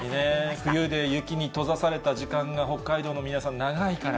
冬で雪に閉ざされた時間が北海道の皆さん長いから。